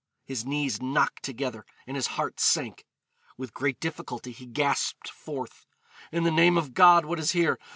His knees knocked together and his heart sank. With great difficulty he gasped forth, 'In the name of God what is here?